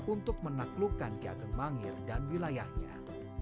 untuk menaklukkan ki ageng mangir dan wilayahnya